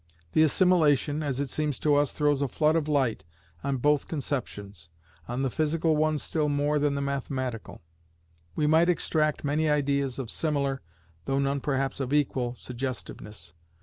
The assimilation, as it seems to us, throws a flood of light on both conceptions; on the physical one still more than the mathematical. We might extract many ideas of similar, though none perhaps of equal, suggestiveness.